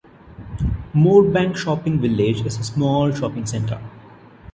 Moorebank Shopping Village is a small shopping centre.